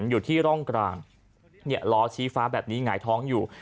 อยู่ที่ร่องกลางล้อชี้ฟ้าแบบนี้หงายท้องอยู่